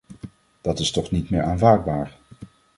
Dat is toch niet meer aanvaardbaar.